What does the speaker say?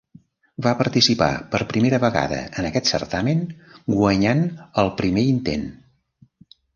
Va participar per primera vegada en aquest certamen guanyant al primer intent.